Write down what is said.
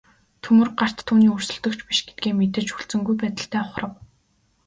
Төмөр гарт түүний өрсөлдөгч биш гэдгээ мэдэж хүлцэнгүй байдалтай ухрав.